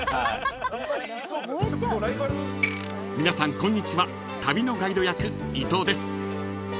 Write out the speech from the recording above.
［皆さんこんにちは旅のガイド役伊藤です］